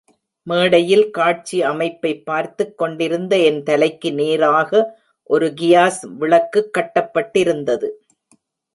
மேடையில் காட்சி அமைப்பைப் பார்த்துக் கொண்டிருந்த என் தலைக்கு நேராக ஒரு கியாஸ் விளக்குக் கட்டப்பட்டிருந்தது.